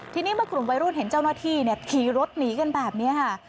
ทีนี้เมื่อกลุ่มวัยรุ่นเห็นเจ้าหน้าที่ขี่รถหนีกันแบบนี้ค่ะ